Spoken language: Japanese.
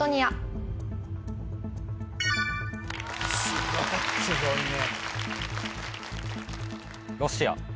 すごっすごいね